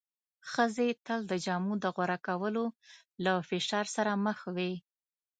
ښځې تل د جامو د غوره کولو له فشار سره مخ وې.